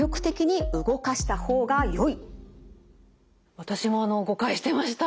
私も誤解してました。